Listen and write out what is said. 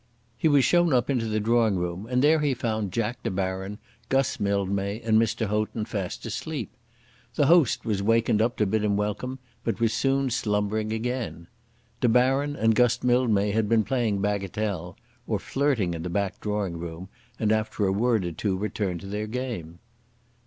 He was shown up into the drawing room and there he found Jack De Baron, Guss Mildmay; and Mr. Houghton, fast asleep. The host was wakened up to bid him welcome, but was soon slumbering again. De Baron and Guss Mildmay had been playing bagatelle, or flirting in the back drawing room, and after a word or two returned to their game.